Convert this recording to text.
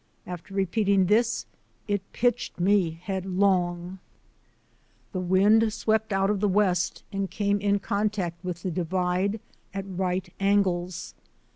After repeating this, it pitched me headlong! The wind swept out of the west and came in contact with the Divide at right angles.